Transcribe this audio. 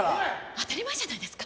当たり前じゃないですか。